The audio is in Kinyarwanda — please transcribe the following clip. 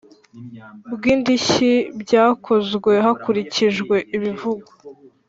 bw indishyi bwakozwe hakurikijwe ibivugwa